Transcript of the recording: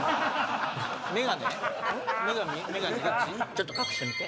ちょっと隠してみて。